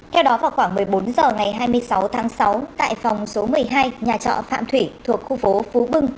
theo đó vào khoảng một mươi bốn h ngày hai mươi sáu tháng sáu tại phòng số một mươi hai nhà trọ phạm thủy thuộc khu phố phú bưng